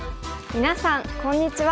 みなさんこんにちは。